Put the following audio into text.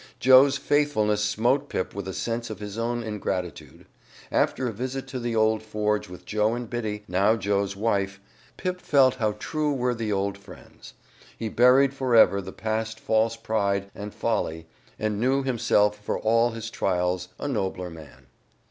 Joe's faithfulness smote Pip with a sense of his own ingratitude. After a visit to the old forge with Joe and Biddy, now Joe's wife, Pip felt how true were the old friends. He buried for ever the past false pride and folly and knew himself for all his trials a nobler man.